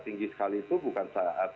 tinggi sekali itu bukan saat